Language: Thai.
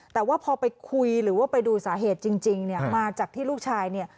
แต่ว่าพอไปคุยหรือว่าไปดูสาเหตุจริงเนี่ยมาจากที่ลูกชายเนี่ย